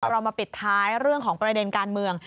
เรามาปิดท้ายเรื่องของประเด็นการเมือง